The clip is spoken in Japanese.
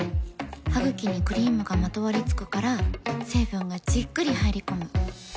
ハグキにクリームがまとわりつくから成分がじっくり入り込む。